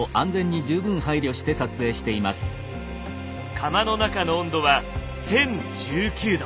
窯の中の温度は１，０１９℃！